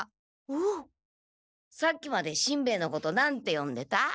さっきまでしんべヱのこと何てよんでた？